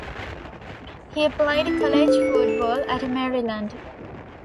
He played college football at Maryland.